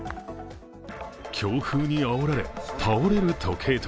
強風にあおられ倒れる時計塔。